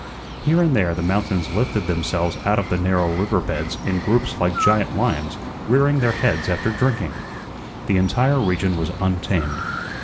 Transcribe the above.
Here and there the mountains lifted themselves out of the narrow river beds in groups like giant lions rearing their heads after drinking. The entire region was untamed.